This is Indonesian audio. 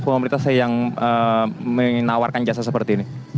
pemerintah saya yang menawarkan jasa seperti ini